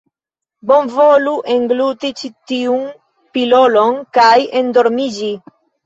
Bonvolu engluti ĉi tiun pilolon kaj endormiĝi.